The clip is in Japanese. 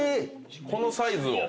このサイズを。